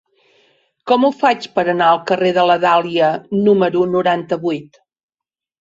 Com ho faig per anar al carrer de la Dàlia número noranta-vuit?